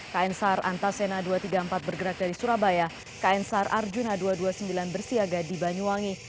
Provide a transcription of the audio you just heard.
kn sar antasena dua ratus tiga puluh empat bergerak dari surabaya kn sar arjuna dua ratus dua puluh sembilan bersiaga di banyuwangi